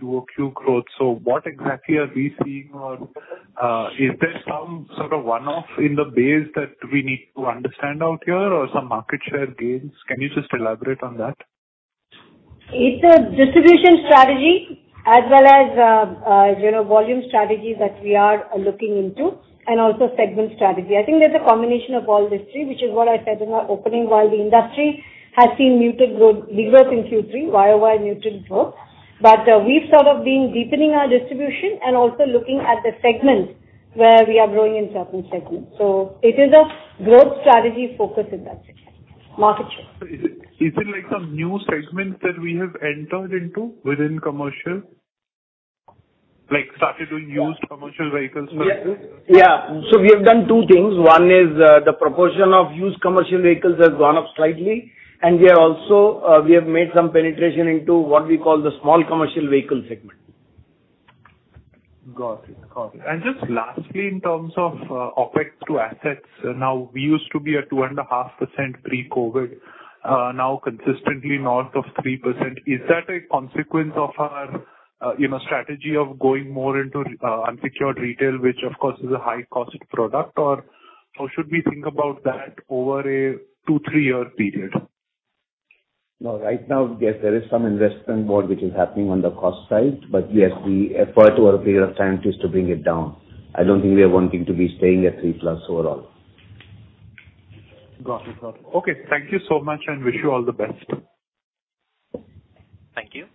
QOQ growth. So what exactly are we seeing or, is there some sort of one-off in the base that we need to understand out here or some market share gains? Can you just elaborate on that? It's a distribution strategy as well as, you know, volume strategy that we are looking into, and also segment strategy. I think there's a combination of all these three, which is what I said in our opening. While the industry has seen muted growth, reverse in Q3, YOY muted growth. But, we've sort of been deepening our distribution and also looking at the segments where we are growing in certain segments. So it is a growth strategy focus in that segment. Market share. Is it, is it like some new segments that we have entered into within commercial? Like, started doing used commercial vehicles like this? Yeah. Yeah. So we have done two things. One is, the proportion of used commercial vehicles has gone up slightly, and we are also, we have made some penetration into what we call the small commercial vehicle segment. Got it. Got it. And just lastly, in terms of, OpEx to assets, now, we used to be at 2.5% pre-COVID, now consistently north of 3%. Is that a consequence of our, you know, strategy of going more into, unsecured retail, which of course is a high-cost product, or how should we think about that over a 2-3-year period? No, right now, yes, there is some investment mode which is happening on the cost side, but yes, the effort over a period of time is to bring it down. I don't think we are wanting to be staying at 3+ overall. Got it. Got it. Okay, thank you so much, and wish you all the best. Thank you.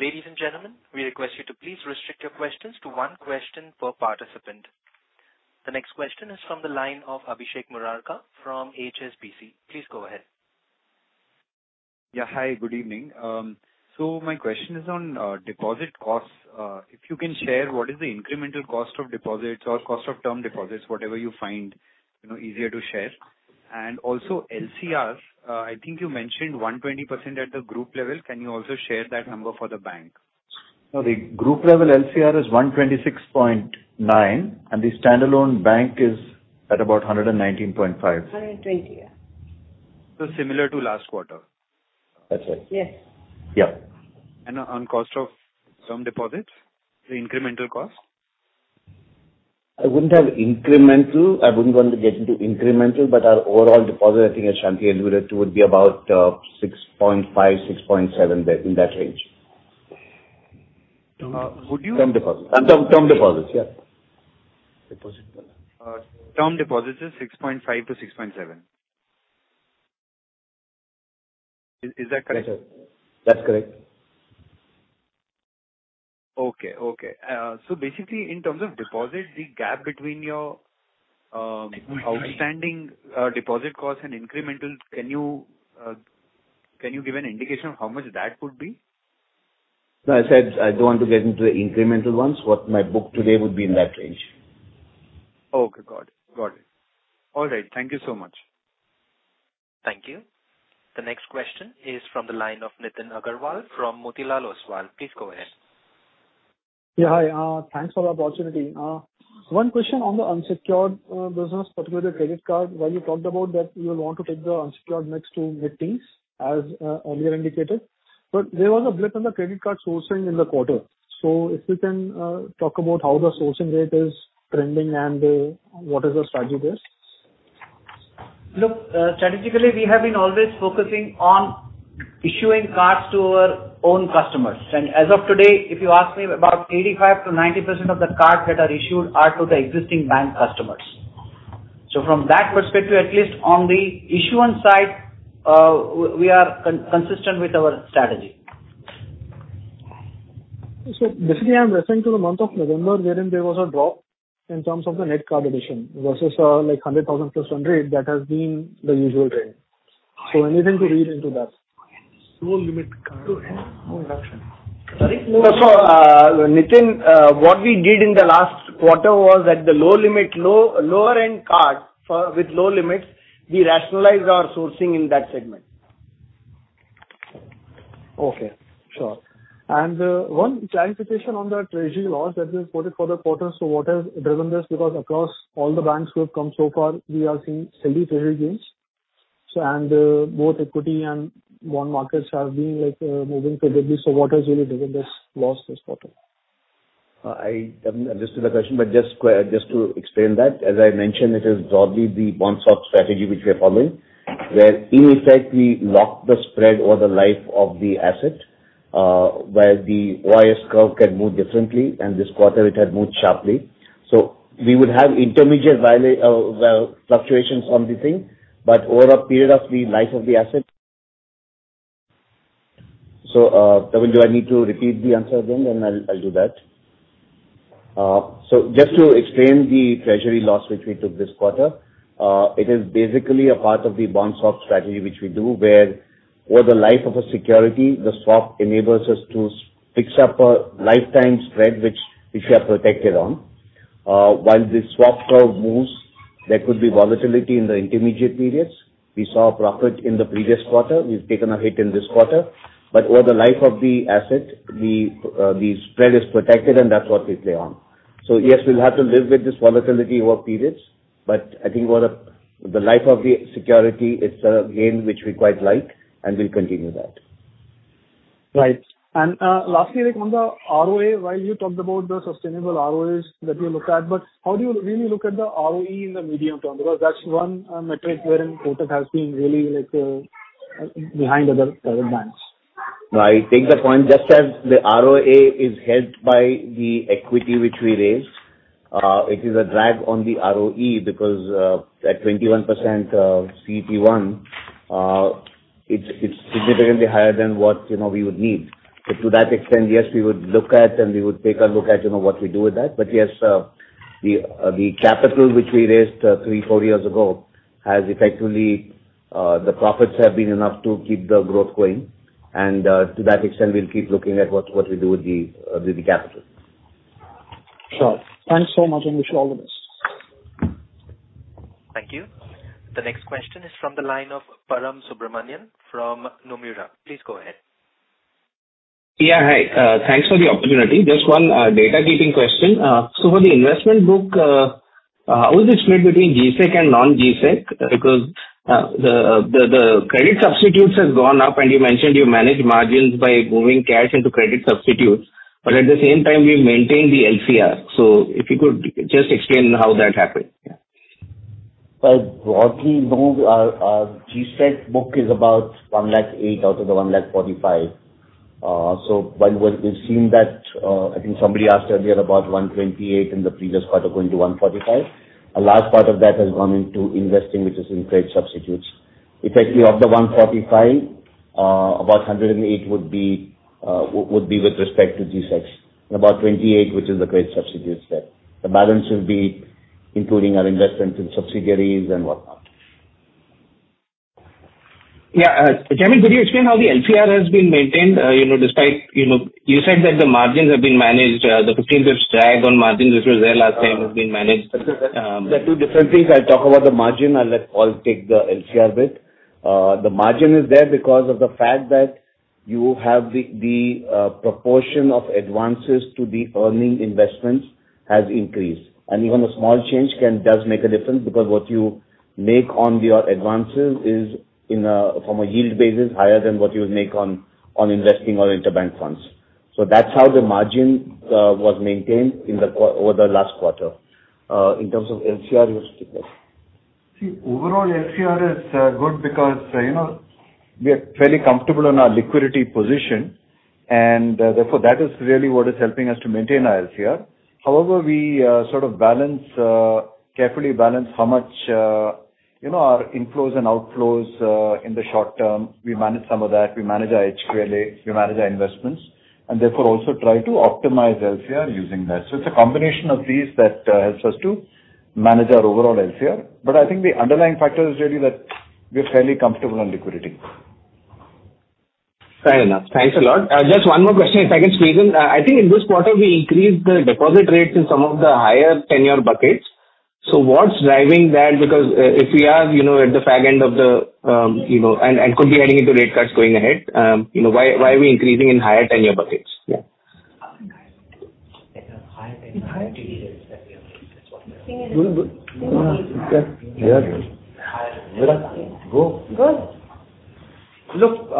Ladies and gentlemen, we request you to please restrict your questions to one question per participant. The next question is from the line of Abhishek Murarka from HSBC. Please go ahead. Yeah. Hi, good evening. So my question is on deposit costs. If you can share, what is the incremental cost of deposits or cost of term deposits, whatever you find, you know, easier to share? And also, LCRs, I think you mentioned 120% at the group level. Can you also share that number for the bank? No, the group level LCR is 126.9, and the standalone bank is at about 119.5. 120, yeah. Similar to last quarter? That's right. Yes. Yeah. On cost of term deposits, the incremental cost?... I wouldn't have incremental, I wouldn't want to get into incremental, but our overall deposit, I think, as Shanti alluded to, would be about 6.5-6.7, there in that range. Would you- Term deposits. Term, term deposits, yeah. Deposit. Term deposits is 6.5-6.7. Is that correct? That's correct. Okay, okay. So basically in terms of deposits, the gap between your outstanding deposit costs and incremental, can you give an indication of how much that would be? No, I said I don't want to get into the incremental ones. What my book today would be in that range. Okay, got it. Got it. All right. Thank you so much. Thank you. The next question is from the line of Nitin Aggarwal from Motilal Oswal. Please go ahead. Yeah, hi. Thanks for the opportunity. One question on the unsecured business, particularly the credit card, where you talked about that you want to take the unsecured next to mid-teens, as earlier indicated. But there was a blip in the credit card sourcing in the quarter. So if you can talk about how the sourcing rate is trending and what is the strategy there? Look, strategically, we have been always focusing on issuing cards to our own customers. And as of today, if you ask me, about 85%-90% of the cards that are issued are to the existing bank customers. So from that perspective, at least on the issuance side, we are consistent with our strategy. So basically, I'm referring to the month of November, wherein there was a drop in terms of the net card addition versus, like 100,000 plus rate, that has been the usual trend. So anything to read into that? Low limit card, no reduction. Sorry. So, Nitin, what we did in the last quarter was that the low limit, lower-end cards with low limits, we rationalized our sourcing in that segment. Okay. Sure. And one clarification on the treasury loss that was quoted for the quarter. So what has driven this? Because across all the banks who have come so far, we have seen steady treasury gains. So both equity and bond markets have been, like, moving favorably. So what has really driven this loss this quarter? I haven't understood the question, but just to explain that, as I mentioned, it is broadly the bond swap strategy which we are following, where in effect, we lock the spread or the life of the asset, where the yield curve can move differently, and this quarter it had moved sharply. So we would have intermediate variations, fluctuations on the thing, but over a period of the life of the asset. So, I mean, do I need to repeat the answer again? Then I'll do that. So just to explain the treasury loss, which we took this quarter, it is basically a part of the bond swap strategy, which we do where, over the life of a security, the swap enables us to fix up a lifetime spread which we are protected on. While the swap curve moves, there could be volatility in the intermediate periods. We saw a profit in the previous quarter. We've taken a hit in this quarter. But over the life of the asset, the spread is protected and that's what we play on. So yes, we'll have to live with this volatility over periods, but I think over the life of the security, it's a game which we quite like and we'll continue that. Right. And, lastly, like on the ROA, while you talked about the sustainable ROAs that you look at, but how do you really look at the ROE in the medium term? Because that's one metric wherein Kotak has been really, like, behind other banks. No, I take the point. Just as the ROA is helped by the equity which we raised, it is a drag on the ROE because, at 21%, CET1, it's significantly higher than what, you know, we would need. So to that extent, yes, we would look at and we would take a look at, you know, what we do with that. But yes, the capital which we raised, 3-4 years ago, has effectively, the profits have been enough to keep the growth going. And, to that extent, we'll keep looking at what we do with the capital. Sure. Thanks so much, and wish you all the best. Thank you. The next question is from the line of Param Subramanian from Nomura. Please go ahead. Yeah, hi. Thanks for the opportunity. Just one data keeping question. So for the investment book, how is it split between G-Sec and non-G-Sec? Because the credit substitutes has gone up, and you mentioned you manage margins by moving cash into credit substitutes, but at the same time, we maintain the LCR. So if you could just explain how that happened? Yeah. Well, broadly, no, G-Sec book is about 108,000 crore out of the 145,000 crore. So while we've seen that, I think somebody asked earlier about 128,000 crore in the previous quarter going to 145,000 crore. A large part of that has gone into investing, which is in credit substitutes. Effectively, of the 145,000 crore, about 108,000 crore would be with respect to G-Secs and about 28,000 crore, which is the credit substitutes there. The balance will be including our investments in subsidiaries and whatnot. Yeah, could you explain how the LCR has been maintained, you know, despite, you know... You said that the margins have been managed, the 15 basis points drag on margins, which was there last time, has been managed, They're two different things. I'll talk about the margin. I'll let Paul take the LCR bit. The margin is there because of the fact that you have the proportion of advances to the earning investments has increased. And even a small change can, does make a difference, because what you make on your advances is in a, from a yield basis, higher than what you would make on investing or interbank funds.... So that's how the margin was maintained in the quarter over the last quarter. In terms of LCR, you want to speak up? See, overall, LCR is good because, you know, we are fairly comfortable in our liquidity position, and therefore, that is really what is helping us to maintain our LCR. However, we sort of balance carefully balance how much, you know, our inflows and outflows in the short term. We manage some of that. We manage our HQLA, we manage our investments, and therefore, also try to optimize LCR using that. So it's a combination of these that helps us to manage our overall LCR. But I think the underlying factor is really that we're fairly comfortable on liquidity. Fair enough. Thanks a lot. Just one more question, if I can squeeze in. I think in this quarter, we increased the deposit rates in some of the higher tenure buckets. So what's driving that? Because, if we are, you know, at the back end of the, you know, and could be heading into rate cuts going ahead, you know, why, why are we increasing in higher tenure buckets? Yeah. In a higher tenure- Higher. That we have raised. Go. Go. Look,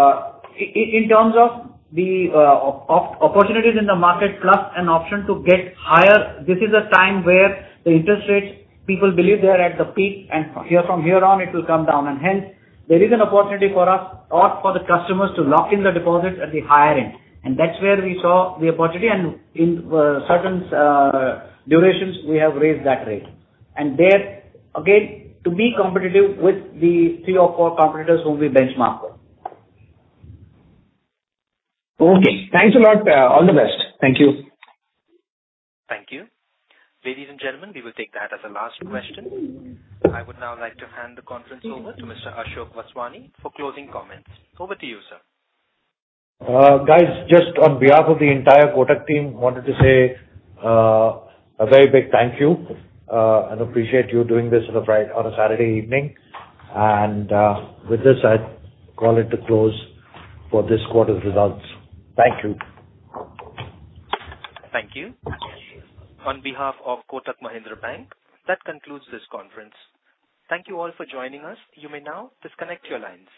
in terms of the opportunities in the market, plus an option to get higher, this is a time where the interest rates, people believe they are at the peak, and here, from here on, it will come down. And hence, there is an opportunity for us or for the customers to lock in the deposits at the higher end, and that's where we saw the opportunity. And in certain durations, we have raised that rate. And there, again, to be competitive with the three or four competitors whom we benchmark with. Okay, thanks a lot. All the best. Thank you. Thank you. Ladies and gentlemen, we will take that as the last question. I would now like to hand the conference over to Mr. Ashok Vaswani for closing comments. Over to you, sir. Guys, just on behalf of the entire Kotak team, wanted to say a very big thank you and appreciate you doing this on a Saturday evening. With this, I call it to close for this quarter's results. Thank you. Thank you. On behalf of Kotak Mahindra Bank, that concludes this conference. Thank you all for joining us. You may now disconnect your lines.